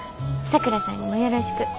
さくらさんにもよろしく。